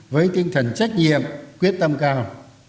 với tinh thần trách nhiệm quyết tâm cao